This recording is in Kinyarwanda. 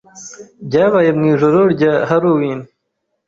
Byabaye mu ijoro rya Halloween.